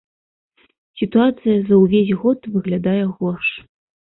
Сітуацыя за ўвесь год выглядае горш.